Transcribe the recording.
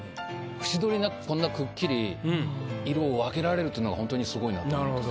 縁取りなくこんなくっきり色を分けられるっていうのがホントにすごいなと思います。